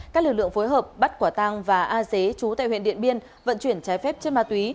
các lực lượng phối hợp bắt quả tang và a dế chú tại huyện điện biên vận chuyển trái phép chất ma túy